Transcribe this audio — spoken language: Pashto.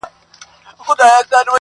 o مه ئې واده، مه ئې نوم!